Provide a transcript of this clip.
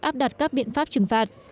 áp đặt các biện pháp trừng phạt